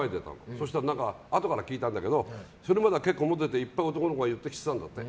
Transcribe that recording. そしたら後から聞いたんだけどそれまでは結構モテていっぱい男の子が寄ってきてたんだって。